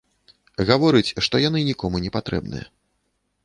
Гаворыць, што яны нікому не патрэбныя.